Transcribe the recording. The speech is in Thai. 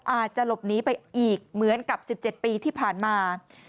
อาจจะหลบหนีไปอีกเหมือนกับ๑๗ปีที่ผ่านมา